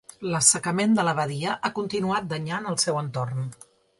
L'assecament de la badia ha continuat danyant el seu entorn.